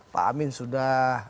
pak amin sudah